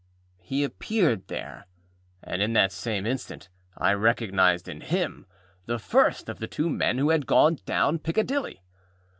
He appeared there. And in that same instant I recognised in him the first of the two men who had gone down Piccadilly.